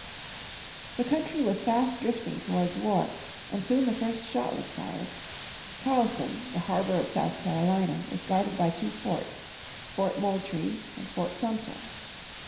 The country was fast drifting towards war; and soon the first shot was fired. Charleston, the harbour of South Carolina, was guarded by two forts, Fort Moultrie and Fort Sumter.